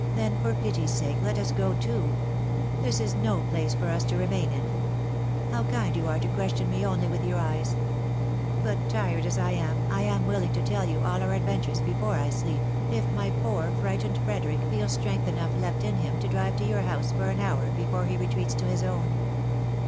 " Then for pity's sake let us go too ! This is no place for us to remain in ! How kind you are to question me only with your eyes ! But tired as I am, I am willing to tell you all our adventures before I sleep, if my poor frightened Frederic feels strength enough left in him to drive to your house for an hour, before he retreats to his own. AN ADJOURNMENT FOR EXPLANATION.